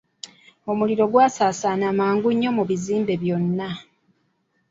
Omuliro gwasaasaana mangu nnyo mu kizimbe kyonna.